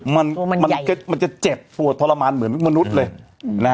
มันจะเจ็บปวดทรมานเหมือนมนุษย์เลย